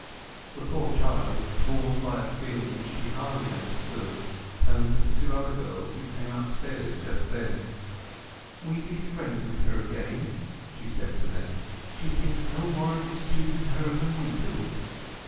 The poor child, torn by a feeling which she hardly understood, turned to the other two girls who came upstairs just then. "We be friends with her again," she said to them. "She thinks no more of his choosing her than we do."